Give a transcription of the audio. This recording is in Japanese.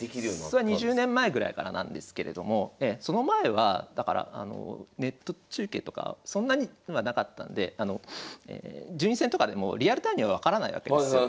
それは２０年前ぐらいからなんですけれどもその前はだからあのネット中継とかはそんなにはなかったんで順位戦とかでもリアルタイムには分からないわけですよ。